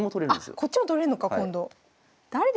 こっちも取れんのか今度。